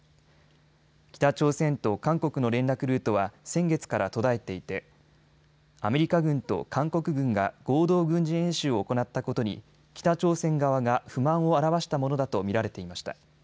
北朝鮮と韓国の連絡ルートは先月から途絶えていてアメリカ軍と韓国軍が合同軍事演習を行ったことに北朝鮮側が不満をあらわしたものだと見られていました。